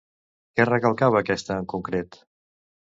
Què recalcava aquesta en concret?